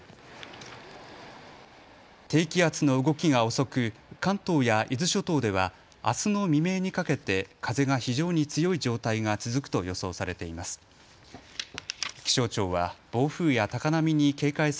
低気圧の動きが遅く、関東や伊豆諸島ではあすの未明にかけて風が非常に強い状態が続くと予想されています。